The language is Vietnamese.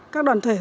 các đoàn thể